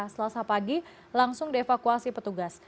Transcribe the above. selasa pagi langsung dievakuasi petugas